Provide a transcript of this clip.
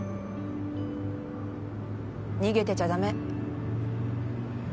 逃げてちゃダメ。